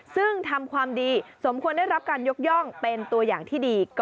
ซึ่งทำความดีสมควรได้รับการยกย่องเป็นตัวอย่างที่ดี